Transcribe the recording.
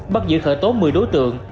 bắt giữ khởi tố một mươi đối tượng